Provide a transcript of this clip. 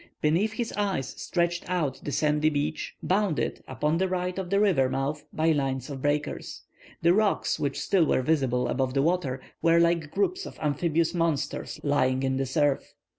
Beneath his eyes stretched out the sandy beach, bounded, upon the right of the river mouth, by lines of breakers. The rocks which still were visible above the water were like groups of amphibious monsters lying in the surf.